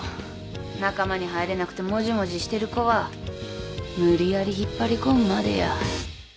仲間に入れなくてモジモジしてる子は無理やり引っ張り込むまでや。